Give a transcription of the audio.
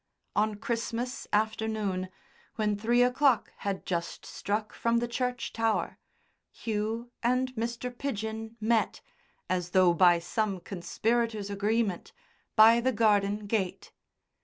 On Christmas afternoon, when three o'clock had just struck from the church tower, Hugh and Mr. Pidgen met, as though by some conspirator's agreement, by the garden gate.